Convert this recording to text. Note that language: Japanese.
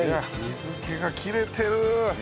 水気が切れてる！